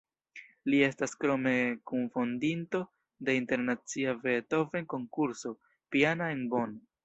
Li estas krome kunfondinto de internacia Beethoven-konkurso piana en Bonn.